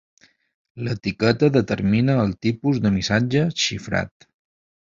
L'etiqueta determina el tipus de missatge xifrat.